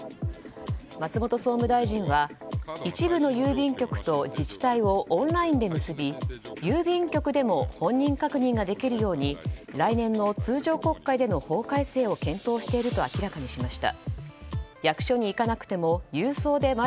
松本総務大臣は一部の郵便局と自治体をオンラインで結び、郵便局でも本人確認ができるように来年の通常国会での法改正を検討していると明らかにしました。